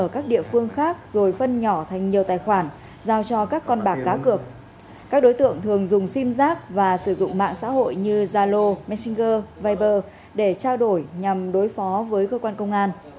các đối tượng thường dùng sim giác và sử dụng mạng xã hội như zalo messenger viber để trao đổi nhằm đối phó với cơ quan công an